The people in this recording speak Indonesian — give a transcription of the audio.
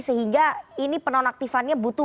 sehingga ini penonaktifannya butuh